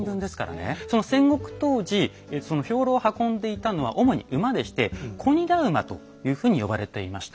でその戦国当時その兵糧を運んでいたのは主に馬でして「小荷駄馬」というふうに呼ばれていました。